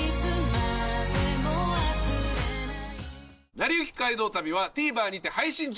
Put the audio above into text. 『なりゆき街道旅』はＴＶｅｒにて配信中です。